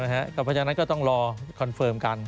เพราะฉะนั้นก็ต้องรอคอนเฟิร์มกัน